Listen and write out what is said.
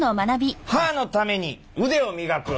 「歯のためにうでを磨く！！」。